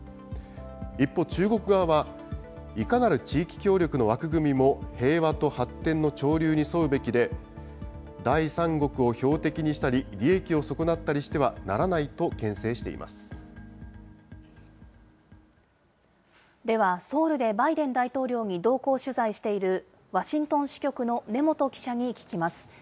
一方、中国側は、いかなる地域協力の枠組みも平和と発展の潮流に沿うべきで、第三国を標的にしたり、利益を損なったりしてはならないとけん制では、ソウルでバイデン大統領に同行取材している、ワシントン支局の根本記者に聞きます。